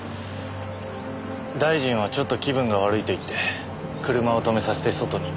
大臣はちょっと気分が悪いと言って車を止めさせて外に。